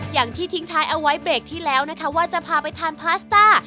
อย่างที่ทิ้งท้ายเอาไว้เบรกที่แล้วนะคะว่าจะพาไปทานพาสต้า